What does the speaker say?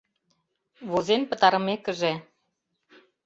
Возен пытарымекыже: